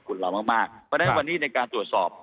ไม่ว่าสินค้าพี่แจกก็ส่วนี้ในการตรวจสอบ